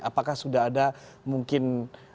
apakah sudah ada mungkin